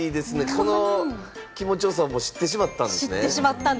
この気持ちよさを知ってしまったんですね。